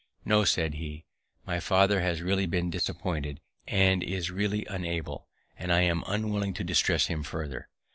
"No," said he, "my father has really been disappointed, and is really unable; and I am unwilling to distress him farther.